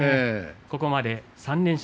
ここまで３連勝。